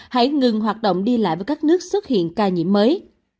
hãy ngừng hoạt động đi lại với các nước xuất hiện ca nhiễm mới